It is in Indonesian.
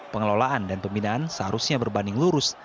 pengelolaan dan pembinaan seharusnya berbanding lurus